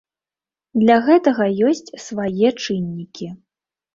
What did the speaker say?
Для гэтага ёсць свае чыннікі.